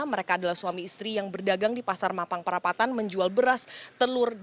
mereka adalah suami istri yang berdagang di pasar mampang perapatan menjual beras telur